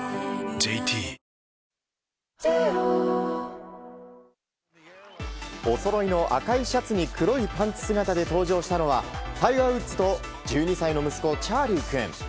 ＪＴおそろいの赤いシャツに黒いパンツ姿で登場したのはタイガー・ウッズと１２歳の息子チャーリー君。